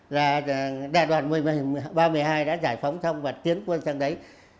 là đại đoàn một nghìn ba trăm một mươi hai đã giải phóng xong và tiến quân sang đấy